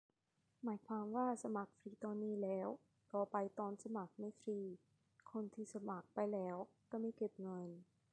หมายความว่า สมัครฟรีตอนนี้แล้ว ต่อไปตอนสมัครไม่ฟรี คนที่สมัครไปแล้วก็ไม่เก็บเงิน ?